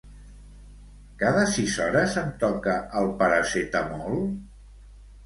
Cada sis hores em toca el Paracetamol?